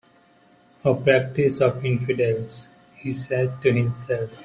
"A practice of infidels," he said to himself.